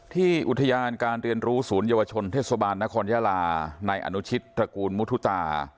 ที่อุทยานการเรียนรู้ศูนยวชนเทศบาลนครยาลาในอนุชิตตระกูลมุทุตา